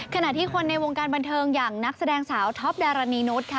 ขณะที่คนในวงการบันเทิงอย่างนักแสดงสาวท็อปดารณีนุษย์ค่ะ